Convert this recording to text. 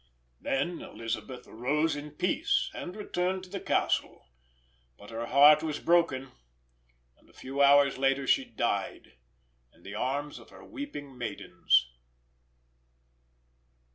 Then Elisabeth arose in peace and returned to the Castle; but her heart was broken, and a few hours later she died in the arms of her weeping maidens.